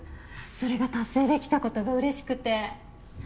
それが達成できたことが嬉しくて。